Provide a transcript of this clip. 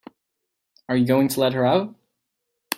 Are you going to let her out?